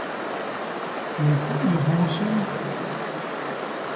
You’ll put your horse in?